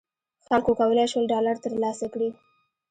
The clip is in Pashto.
خلکو کولای شول ډالر تر لاسه کړي.